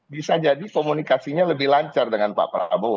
bisa jadi komunikasinya lebih lancar dengan pak prabowo